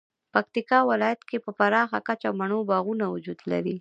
پکتیکا ولایت کې په پراخه کچه مڼو باغونه وجود لري